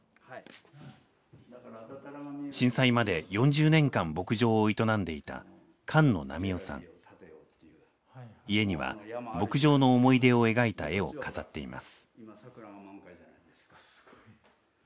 震災まで４０年間牧場を営んでいた家には牧場の思い出を描いた絵を飾っています。